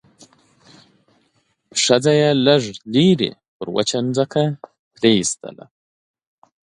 ښځه يې لږ لرې پر وچه ځمکه پرېيستله.